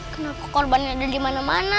kenapa korbannya ada di mana mana